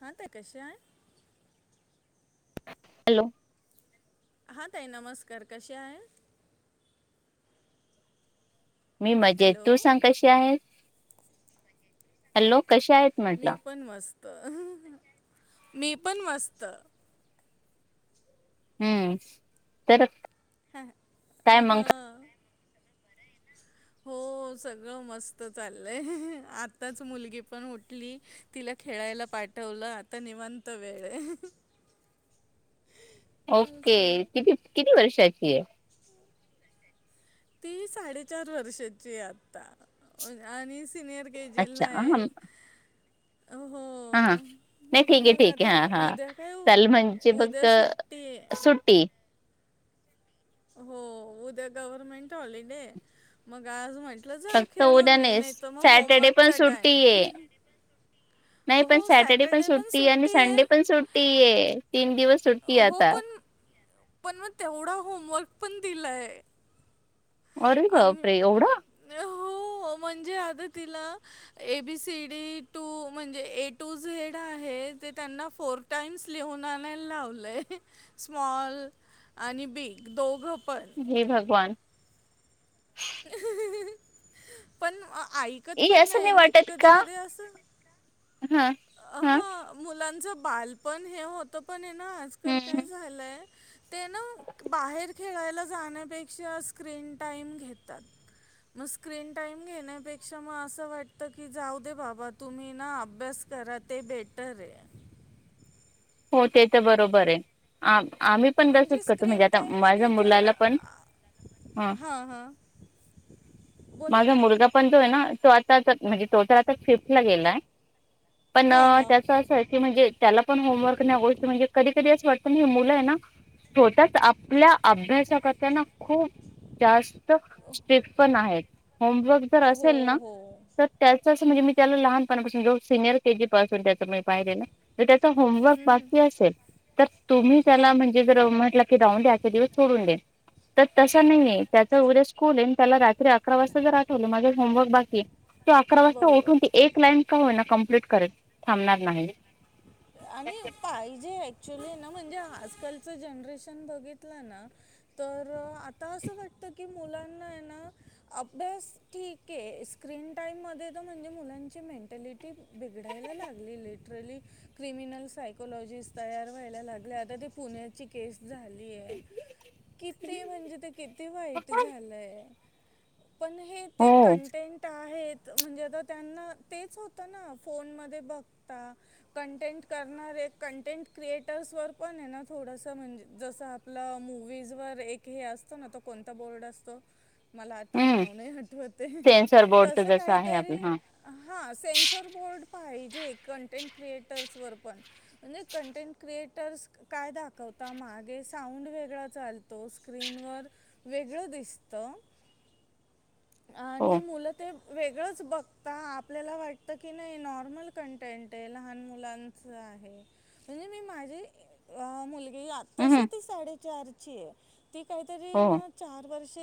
हा ताई कशाय हॅलो हा ताई नमस्कार कशा आहे मी मजेत हॅलो तू सांग कशी आहेस हॅलो कशा आहेत मी म्हटलं पण मस्त मी पण मस्त हम्म तर ह अ काय हा मग हो हो सगळं मस्त चाललंय आताच मुलगी पण उठली तिला खेळायला पाहि पाठवलं आता निवांत वेळय ओके किती किती वर्षाची आहे ती साडेचार वर्षांची आयेआता आणि सीनियर के जी ला अच्छा हा आहे हा हो नाही ठीक आहे मग ठीक आहे आता हा हा उद्या काय चाल म्हणजे बघ उद्या सुट्टी आहे सुट्टी हो उद्या गव्हर्मेंट हॉलिडे मग आज माहि म्हटलं जा फक्त उद्या खेळूनू ये नाही तर मग सॅटर्डे पण होमवर्कचा सुट्टी आहे टाइम नाही पण सॅटर्डे पण सुट्टी आहे आणि संडे पण सुट्टी आहे तीन दिवस सुट्टी हो आता पण पण मग तेवढा होमवर्क पण दिलाय अरे आम् बापरे एवढा हो म्हणजे आ तिला एबीसीडी टू म्हणजे ए टू झेड आहे जे त्यांना फोर टाईम्स लिहून आणायला लावलं - लय स्मॉल आणि बीग दोघ जी भगवान [unintelligible] पण ऐकत हे पण असं नाही मग तर वाटत कधी का कधी अस हा हा मुलांचं बालपण हे होतं पण हे ना आजकाल हम्म काय झालंय ते ना बाहेर खेळायला जाण्यापेक्षा स्क्रीन टाइम घेतात मग स्किरन टाईम घेण्यापेक्षा मग अस वाटत की जाऊ दे बाबा तुम्ही ना अभ्यास करा ते बेटर आहे हो ते तर बरोबर आहे आम्ही पण म्हणजे तसच करतो म्हणजे स्क्रीन आता माझ्या मुलाला पण ह हा हा माझा मुलगा पण तो आहे ना तो आ - म्हणजे टोटल आता फिफतला गेलाय पण हो हो त्याच असं आहे की म्हणजे त्याला पण होमवर्क ह्या कधी कधी अस वाटत हे मुलं आहे ना - होतात आपल्या अभ्यासा करताना खूप जास्त - स्त स्ट्रीक्ट पण आहे होमवर्क जर असेल हो ना हो तर त्याचच अस म्हणजे त्याला लहान पणा पासुन म्हणजे सिनियर के जी पासुन पाहिलेल आहे मी त्याचा होम व हम्म, हम्म. बाकी असेल तर तुम्ही त्याला हां म्हणजे जर म्हटलं की राऊून दे आजचा दिवस सोडून दे - तर तसा नाहीये त्याच उद्या स्कूल आहे आणि त्याला रा अकरा वाजता जर आठवले माझ होमवर्क बाकी तो अकरा वाजता उठून बरोबर एक लाईन का होईना ती कप्लीट - करत थांबणार नाही आणि पाहिजे ऍक्च्युली ना म्हणजे आजकालचं जनरेशन बघितलं ना तर आता असं वाटत की मुलांना - हाय ना अभ्यास ठीक आहे स्क्रीन टाइम म म्हणजे मुलांची मेंटलिटी बिघडायला लागली लिटरली क्रिमिनल सायकॉोलॉजिस्ट तयार व्हायला लागले आता ते पुण्याची केस झाली आहे किती म्हणजे ते किती वाईट झालंय पण हे ते हो कंटेंट आहेत म्हणजे तर त्यांना तेच होत ना फोन मध्ये बघता कंटेंट करणारे कंटेंट क्रिएटर्सवर पण आहे ना थोडंसं म्हणजे जसं आपलं मूवीजवरर एक हे असतं ना तो कोणता बोर्ड असतो मला आता हम्म नाव नाही आठवते सेन्सर बोर्डच तसं जसं आहे आपलं काहीतरी हा हां सेन्सर बोर्ड पाहिजे कंटेंट किएटरसवर पण कंटेंट किएटरस काय दाखवता मागं वेगळा चालतो स्क्रीन व वेगळ दिसत हो आणि मुलं ते वेगळंच बघता आपल्याला वाटतं की नाही नॉर्मल कंटेंट लहान मुलां आहे म्हणजे मी माझी मुलगी आताशी हम्म ती साडे चार त काहीतरी हो चार वर्ष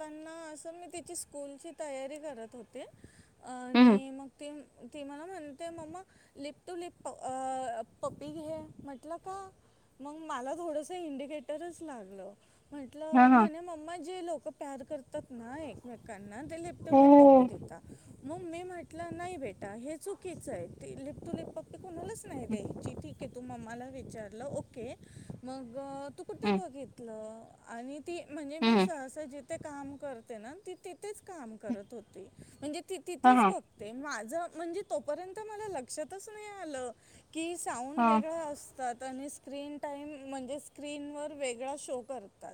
मी त स्कूल तयारी करत होते हम्म आणि मग ती मलाम एंत मम लिप टू लिप पपिंग हे म्हटलं का मग मला थोडस इंडिकेटरच लागलं हा म्हटलं हा म्हणे मम्मा जे लोक प्यार करतात ना एकमेकांना त्यां ते हो ललेपटॉप पपी देतात मग मी म्हटलं नाही बेटा हे चुकीच आहे ते इलेक्ट्रिक पप कोणालाच नाही हम्म द्याची ठीक आहे तू ममला विचारलं ओके मग तू कुठे बघितलं आणि ती म्हणजे मी हम्म सहसा जिथे काम त तिथे काम करत होते म्हणजे त हा तिथेच हा बघते मा म्हणजे तोपर्यंत मला लक्षातच नाही आलं की साऊंड हा वेगळा असतात त्यांनी स्क्रीन टाईम म्हणजे स्क्रीनवर वेगळा शो करतो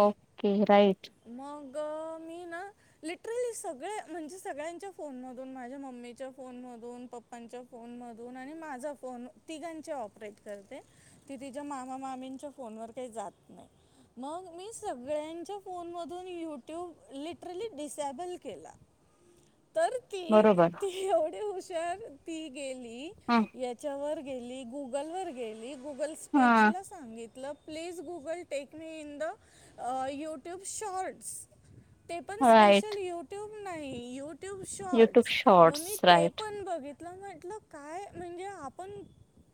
ओके राईट मग मी ना लिटरली सगळे म्हणजे सगळ्यांच्या फोन मधून माझ्या मम्मीच्या फोन मधून् फोन मधून माझा फोन तिघ परे करते त ति मामा मा फोन व काही जात नाही मग मी सगळ्यांच्या फोन मधून युट्यूब लिटरली डिसेबल केला ह तर ती बरोबर ती एवढे हुशार ती गेली ह याच्यावर गेली गुगलवर गेली गुगल हा स्पेजला सांगितलं please Google take me in the YouTube shorts ते पण राईट स्पेशल यूट्यूब नाही यूट्यूब युट्यूब शॉर्ट्स मग मी शॉर्ट्स ते राईट पण बघित लं म्ह म्हटलं काय म्हणजे आपण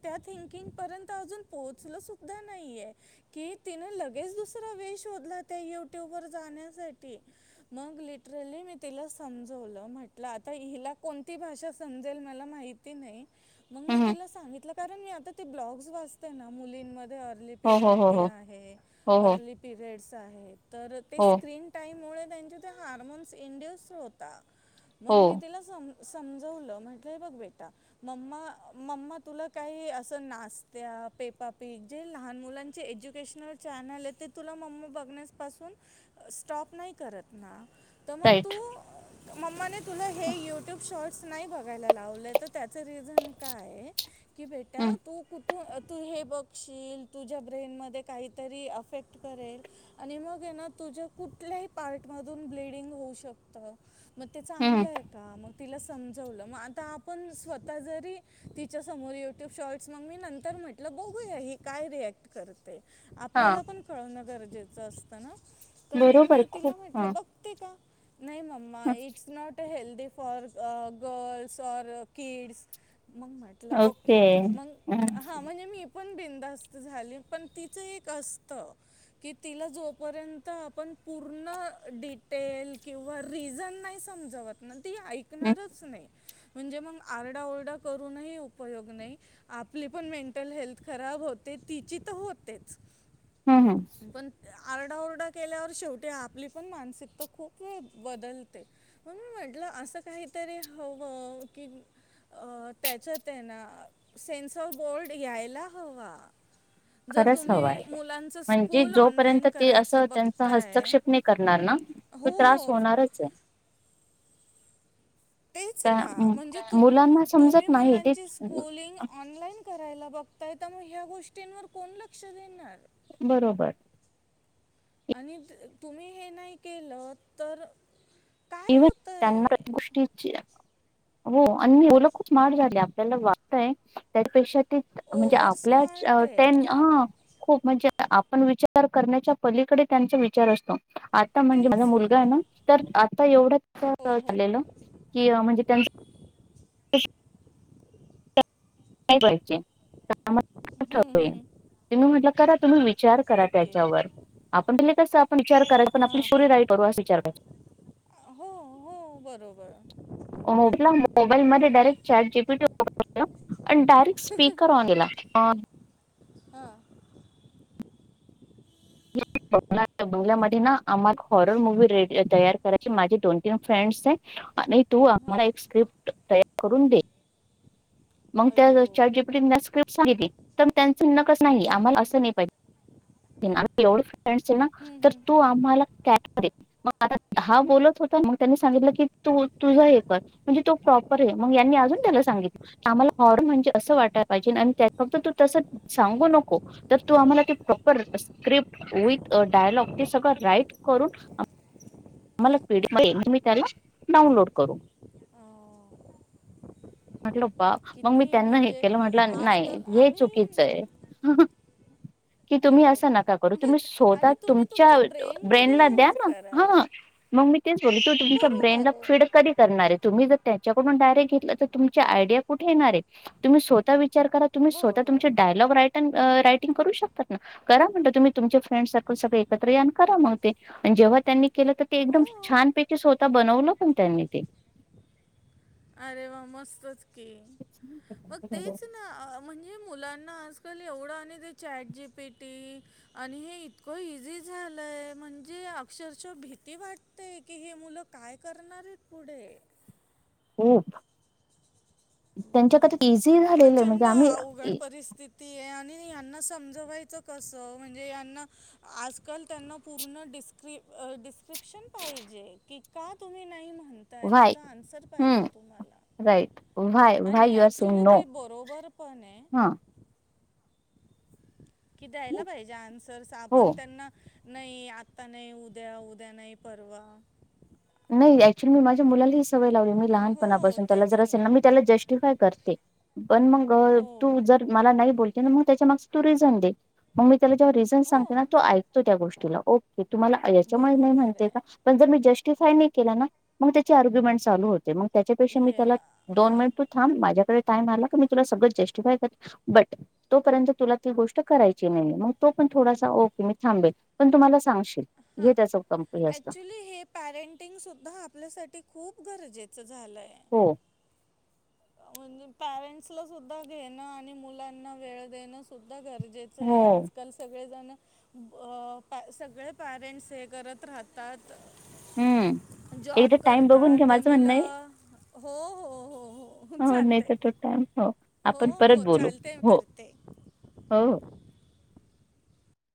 त्या थिंकिंग पर्यंत अजून पोहोचल सुद्धा नाहीये की तिन लगेच दुसरा वे शोध त्या युट्यूब व जाण्यासाठी मग लिटरली मी तिला समवलं म्हट आता ह कोणती भाषा समजेल मला माहि नाही म मी हम्म तिला सित कारण मी आता ते ब्लॉग्स वाचते ना मुलींमध्ये म अर्ली हो हो हो प्युबरिटी हो आहे हो हो अर्ली पिरियड्स आहेत तर ते हो स्क्रीन टाईममुळे त्यांच्या ते हार्मोन्स इंड्यूस होतात मग हो मी तिला स समजवलं म्हण बेटा म् म्मा तुला काही अस नात्या पेपा पीे लुकेशल च तु ब स करत्ना तर मग राईट तू मम्माने तुला हे युट्यूब शॉर्ट नाही बघायला लावले तर त्या रझन काय की बेटा हम्म तू कु तू हे बघशील तुझ्या ब्रेनमध्ये काहीतरी अफेक्ट करेल आणि मग ये ना तू तुझ्या कुठल्याही पार्ट मधून ब्लडिंग होऊ शकत मग ते हम्म चांगलं आहे का मग तिला समजवलं मग आता आपण स्वतः जरी तिच्या समोर युट्यूब शॉर्ट्स मग मी नंतर म्हटलं बघूया ही काय रिएक्ट करते हा आपल्याला पण कळणं गरजेचं असतं ना तर मग बरोबर मी तिला खूप ह म्हटलं बघते का नाही म्मा it's not a health for girls और किड्स मग म्हटलं ओके मग ह हा म्हणजे मी बिंदास्त झा पण तिच एक असत की तिला जोपर्यंत आप पूर्ण डिटेल आणि रिजन नाही सांगत तोपरण्यात ती ऐकणाऱ्या म्हणजे आरड करून उपयोग नाही आपली पण मेंट हेल्थ खब होते तिची तर होतेच हम्म हम् पण आरडाओरडा केल्यावर शेवटी आपली पण मानसिकता खूप बदलते म्हणून म्हटलं असं काही क त्या स ब पाहियला हवा जर खरंच तुम्ही हवं आहे मुलांचं म्हणजे स्कूल जोपर्यंत ऑनलाईन ते असं करायचं त्यांचा बघताय हस्तक्षेप नाही करणार ना तू त्रास हो होणारच आहे तेच त्या ना मु- म्हणजे मुलांना तुम्ही समजत नाही ते मुलांची स्कुलिंग ऑनलाईन, करायला बघताय त्यामुळे ह्या गोष्टींवर कोण लक्ष देणार, बरोबर आणि तुम्ही हे नाही केलं तर, काय इवन त्यांना होतंय गुष्टी, हो आणि लं खूप म्ट झाले आपल्याला वाटतय त्यापेक्षा, म्हणजे ओव्हर आपल्या स्मार्ट आहेत या. खूप म्हणे, आपण विचार करण्याच्या पलीकडे त्यांचा विचार असतो. आता म्हणजे माझा तेच मुलगा आहे ना तर, आता एवढं हो हो चालेलं की म्हणजे त्यांच, का करायचे, हम्म हम्म तुम्ही म्हटल करा तुम्ही विचार करा त्याच्यावर, आपण त्या कस आप विचार करा पण आपली हां स्टोरी हां राईट करू अस विचार क हो हो ब अ डारेक्ट स्पीकर ऑनलाऑ हा बंगला बंगल्या म ना आम्हा एक हॉरर मुूवी रे तयार करायची माझी दोन तीन फ्रेंड्स आहे. आणि तू हां आम्हाला एक स्क्रिप्ट तयार करून दे. मग त्या अय्यो चाटजीपटी स्क्रिप्ट सांगितले, तर त्यांच न कस नाही ओके आम्हाला असं नाही पाहिजे. एवढे फ्रेंडस आहे ना हम्म, तर हम्म. तू आम्हाला, र मग आता हा बोलत होता मग त्यांनी सांगितलं की तू तुझा हे कर म्हणजे तो प्रॉपर, मग अजून त्याला सांगितलं. आम्हाला हॉरर म्हणजे असं वाटायला पाहिजे आणि त्या फक्त तू तसं सांगू नको तर तू आम्हाला, स्क्रिप्ट विथ डायलॉग ते सगळं राईट करून, आला पीडीएफ दे मध्येमटारी डाउनलोड करू. अं, म्हटल पा मग मी किती त्यांना हे म्हणजे केलं म्हटलं नाही आजकाल हे आणि चुकीचं आहे. कि तुम्ही असं नका बरोबर करू तुम्ही स्वतः आणि तुम्ही तुमच्या तुमचं ब्रेन कधी ब्रेनला द्या यूज ना कराल हा, मग मी तेच बोल तू तुमच्या ब्रेन ला बरोबर आहे फीड कधी करणार आहे तुम्ही जर, त्याच्याकडून घेतलं तर तुमच्या आयडिया कुठे येणार आहेत, तुम्ही स्वतः वि विचार करा तु्ही स्वतः बरोबर तुमचे डायलॉग, रायटिंग करू शकतात, करा म्ह तुम्ही तुम फ्रेंड सकल सग एकत्र करा. जेव्हा त्यांनी केलं तर ते एकदम हो छानपैकी स्वतः बनवलं पण त्यांनी ते, अरे वा मस्तच की मग तेच ना म्हण, मुलांना आजकाल एवढं ते चॅट जी पेटी आणि हे इतकं इझी झा, लय म्हणजे अक्षरशः भीती वाटतेय की हे मुलं काय करणार आहेत पुढे, ह खू म- त्यांच्याक इझी झालेले म्हणजे प्रचंड आम्ही, अवघड परिस्थिती आणि हेना समजवायचं कस म्हणजे हेना आजकाल त्यांना पूर्ण डिस्क्रिप्शन पाहिजे की का तुम्ही नाही, म्हणताय भय त्याचा आन्सर पाहिजे हम्म तुम्हाला राईट वय आणि भयर सु, ॲक्च्युली ते बरोबर पण आहे. कि द्यायला पाहिजे आन्सर्स हो आपण त्यांना, नाही आता नाही उद्या उद्या नाही परवा, नाही अक्चुअली मी माझ्या मुलाला, सवय लावली मी हो लहानपणापासून त्याला तेच ज असेल ना मी त्याला जस्टिफाय करते. पण मग हो तू जर मला नाही बोलते मग त्याच्या माग तू रिझन दे मग मी, त्याला जेव्हा रिजन हो सांगते ना तो को त्या गोष्टीला ओक तुम्हाला याच्यामुळे नाही बरोबर म्हणते का आहे पण जर मी जस्टिफाय नाही केला ना मग त्याची आर्ग्युमेंट चालू होते. मग त्याच्यापेक्षा मी ये त्याला दोन हां मिनिट तू थांब माझ्याकडे काय मारला मी तुला सगळ जस्टिफाय करते बट तोपर्यंत तुला ती गोष्ट करायची नाही मग तो पण थोडासा ओके मी थांबेल पण तुम्हाला सांगशील घे त्याच कंपनी अस पॅरेंटिंग सुुद्धा आपल्यासाठी खूप गरजेचं झालं आहे हो म्हणजे पॅरेंट्सला सुद्धा घेणं आणि मुलांना वेळ देणं सु गरजेचं आहे हो. आजकाल सगळेजण अ सगळे पॅरेंटस हे करत राहतात हम्म एकदा जॉब टाइम बघून घ्या करतात ते माझं म्हणणं आहे मुलं हो हो हो हो हो नाही चालतंय तर तो टाम हो हो आपण परत हो बोलू चालते हो करते हो